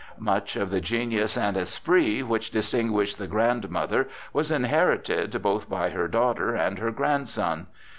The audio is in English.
Much of the genius and esprit which distinguished the grandmother was inherited both by her daughter and her grandson.